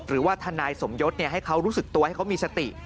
หรือว่าทนายสมยศให้เขารู้สึกตัวให้เขามีสติ